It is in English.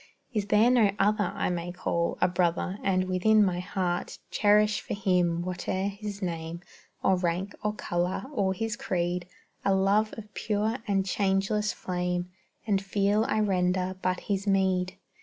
Is there no other I may call A brother, and within my heart Cherish for him, whate'er his name, Or rank, or color, or his creed, A love of pure and changeless flame, And feel I render but his meed?